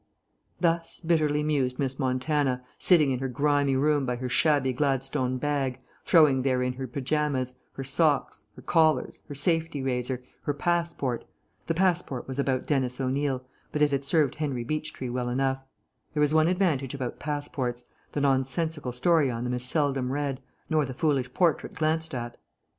Thus bitterly mused Miss Montana, sitting in her grimy room by her shabby gladstone bag, throwing therein her pyjamas, her socks, her collars, her safety razor, her passport (the passport was about Denis O'Neill, but it had served Henry Beechtree well enough; there is one advantage about passports: the nonsensical story on them is seldom read, nor the foolish portrait glanced at).